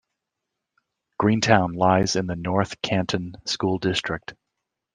Greentown lies in the North Canton school district.